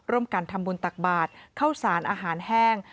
ร่วมกันทำบุญตักบาทเข้าสารอาหารแห้ง